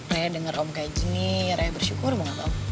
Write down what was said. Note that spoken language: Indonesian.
raya denger om kaya gini raya bersyukur banget om